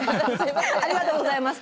ありがとうございます。